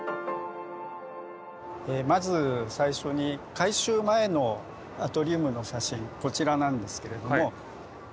まず最初に改修前のアトリウムの写真こちらなんですけれども。